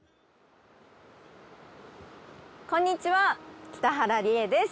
こんにちは北原里英です。